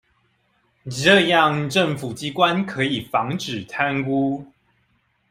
這樣政府機關可以防止貪污